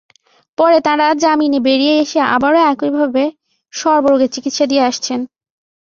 পরে তাঁরা জামিনে বেরিয়ে এসে আবারও একইভাবে সর্বরোগের চিকিৎসা দিয়ে আসছেন।